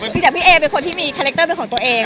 มีแต่พี่เอเป็นคนที่มีคาแรคเตอร์เป็นของตัวเอง